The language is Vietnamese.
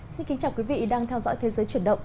xin kính chào quý vị đang theo dõi thế giới chuyển động